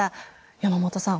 山本さん